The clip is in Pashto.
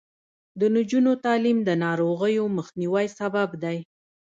د نجونو تعلیم د ناروغیو مخنیوي سبب دی.